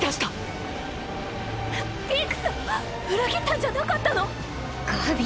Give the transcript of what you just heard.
ピークさん⁉裏切ったんじゃなかったの⁉ガビ